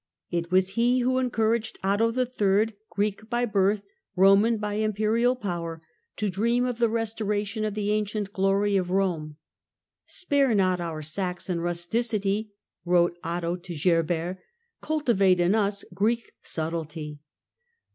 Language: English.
It was he who encouraged Otto III., "Greek by birth, Eoman by imperial power," to dream of the restoration of the ancient glory of Kome, " Spare not our Saxon rusticity," wrote Otto to Gerbert, " cultivate in us Greek subtlety."